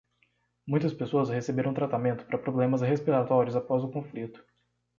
Muitas pessoas receberam tratamento para problemas respiratórios após o conflito.